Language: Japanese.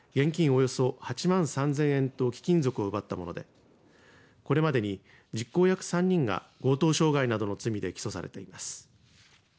およそ８万３０００円と貴金属を奪ったものでこれまでに実行役３人が強盗傷害などの罪で起訴されています。